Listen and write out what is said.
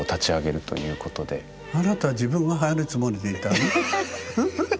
あなた自分が入るつもりでいたの？